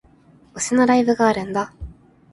推しのライブがあるんだ